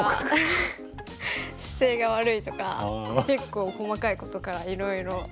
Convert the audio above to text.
姿勢が悪いとか結構細かいことからいろいろ。